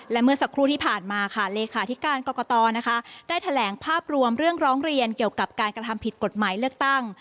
และเมื่อสักครู่ที่ผ่านมาค่ะเลขาธิการกรกตนะคะได้แถลงภาพรวมเรื่องร้องเรียนเกี่ยวกับการกระทำผิดกฎหมายเลือกตั้ง